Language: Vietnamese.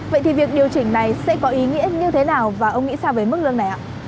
vậy thì việc điều chỉnh này sẽ có ý nghĩa như thế nào và ông nghĩ sao về mức lương này ạ